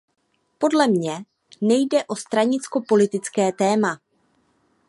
Podle mě nejde o stranicko-politické téma.